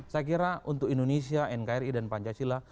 saya kira untuk indonesia nkri dan pancasila